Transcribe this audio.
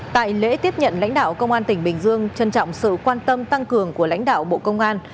tại lễ tiếp nhận lãnh đạo công an tỉnh bình dương trân trọng sự quan tâm tăng cường của lãnh đạo bộ công an